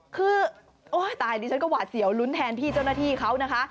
คือโอ้ยตายดิฉันก็หวาดเสียวลุ้นแทนพี่เจ้าหน้าที่เขานะคะ